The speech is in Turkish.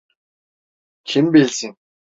Kim bilsin?